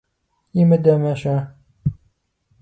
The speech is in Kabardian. Имыдэмэ-щэ?